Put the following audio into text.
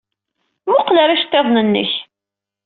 Mmuqqel ɣer yiceḍḍiḍen-nnek!